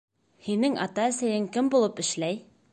Һинең ата-әсәйең кем булып эшләй?